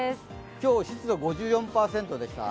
今日、湿度５４％でした。